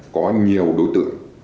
có nhiều đối tượng